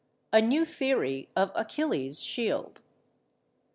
_A NEW THEORY OF ACHILLES' SHIELD.